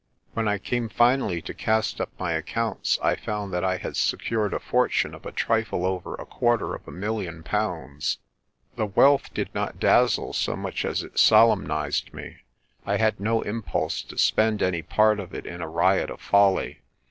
When I came finally to cast up my ac counts, I found that I had secured a fortune of a trifle over a quarter of a million pounds. The wealth did not dazzle so much as it solemnised me. I had no impulse to spend any part of it in a riot of folly.